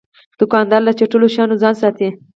دوکاندار له چټلو شیانو ځان ساتي.